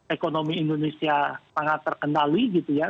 ekonomi indonesia sangat terkendali gitu ya